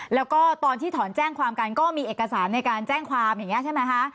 แล้วก็ตอนที่ถอนแจ้งความกันก็มีเอกสารในการแจ้งความอย่างนี้ใช่ไหมคะ